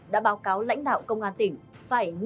đã báo cáo lãnh đạo công an tỉnh